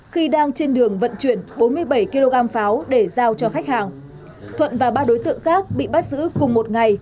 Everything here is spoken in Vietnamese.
khi đang trên đường vận chuyển bốn mươi bảy kg pháo để giao cho khách hàng thuận và ba đối tượng khác bị bắt giữ cùng một ngày